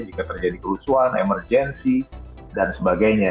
jika terjadi kerusuhan emergensi dan sebagainya